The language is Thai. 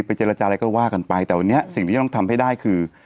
เจรจาอะไรก็ว่ากันไปแต่วันนี้สิ่งที่จะต้องทำให้ได้คือ